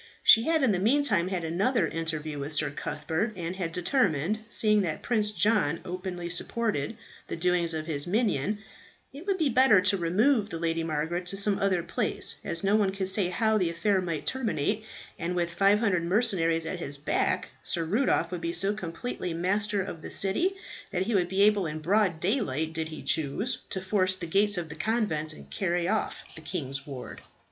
She had in the meantime had another interview with Sir Cuthbert, and had determined, seeing that Prince John openly supported the doings of his minion, it would be better to remove the Lady Margaret to some other place, as no one could say how the affair might terminate; and with 500 mercenaries at his back, Sir Rudolph would be so completely master of the city that he would be able in broad daylight, did he choose, to force the gates of the convent and carry off the king's ward.